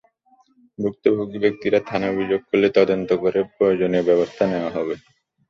ভুক্তভোগী ব্যক্তিরা থানায় অভিযোগ করলে তদন্ত করে প্রয়োজনীয় ব্যবস্থা নেওয়া হবে।